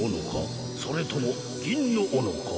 それともぎんのおのか？